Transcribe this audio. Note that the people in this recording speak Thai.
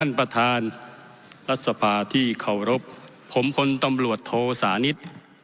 ท่านประธานรัฐสภาที่เคารพผมคนตำรวจโทสานิท